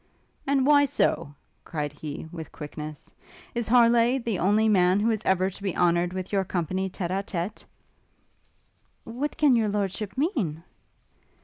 'And why so?' cried he, with quickness, 'Is Harleigh the only man who is ever to be honoured with your company tête à tête?' 'What can your lordship mean?'